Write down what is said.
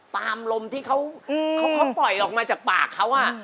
ตามลมที่เขาปล่อยออกมาจากปากเขา